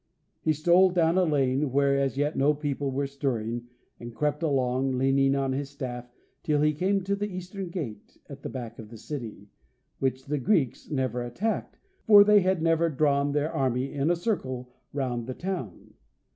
He stole down a lane, where as yet no people were stirring, and crept along, leaning on his staff, till he came to the eastern gate, at the back of the city, which the Greeks never attacked, for they had never drawn their army in a circle round the town.